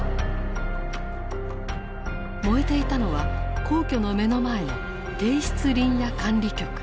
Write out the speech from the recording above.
燃えていたのは皇居の目の前の帝室林野管理局。